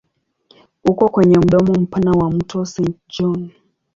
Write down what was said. Uko kwenye mdomo mpana wa mto Saint John.